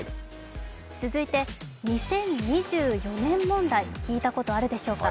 続いて、２０２４年問題、聞いたことあるでしょうか。